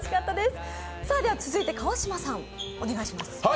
続いて川島さん、お願いします。